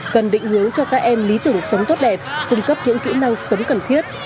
cần định hướng cho các em lý tưởng sống tốt đẹp cung cấp những kỹ năng sống cần thiết